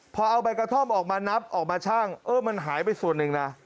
พอเอาใบกระท่อมออกมานับออกมาชั่งเออมันหายไปส่วนหนึ่งนะ